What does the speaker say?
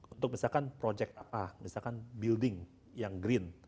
untuk misalkan project apa misalkan building yang green